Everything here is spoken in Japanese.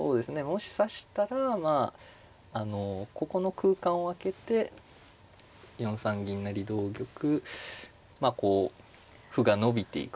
もし指したらまああのここの空間を空けて４三銀成同玉まあこう歩が伸びていく形。